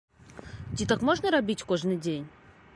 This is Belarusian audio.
Ці так можна рабіць кожны дзень?